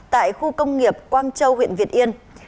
tại khu công nghiệp quang châu huyện việt yên